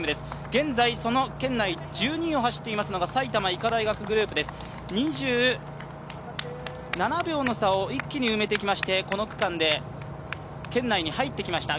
現在、その圏内１２位を走っていますのが埼玉医科大学グループです、２７秒の差を一気に埋めていきまして、この区間で圏内に入ってきました。